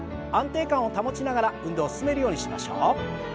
安定感を保ちながら運動を進めるようにしましょう。